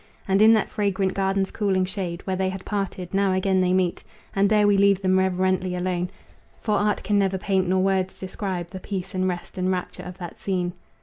And in that fragrant garden's cooling shade, Where they had parted, now again they meet, And there we leave them reverently alone, For art can never paint nor words describe The peace and rest and rapture of that scene.